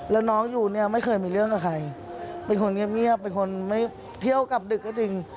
แล้วน้องอยู่เนี่ยไม่เคยมีเรื่องกับใครเป็นคนเงียบเป็นคนไม่เที่ยวกลับดึกก็จริง